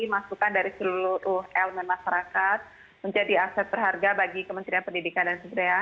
masukan dari seluruh elemen masyarakat menjadi aset berharga bagi kementerian pendidikan dan sebagainya